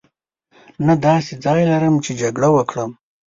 نه داسې ځای لرم چې جګړه وکړم.